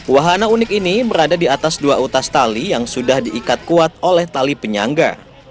wahana unik ini berada di atas dua utas tali yang sudah diikat kuat oleh tali penyangga